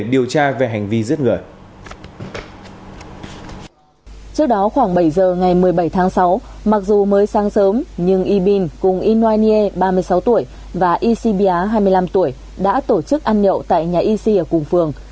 đá hai mươi năm tuổi đã tổ chức ăn nhậu tại nhà yixi ở cùng phường